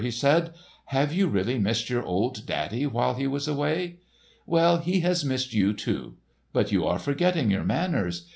he said. "Have you really missed your old daddy while he was away? Well, he has missed you, too. But you are forgetting your manners.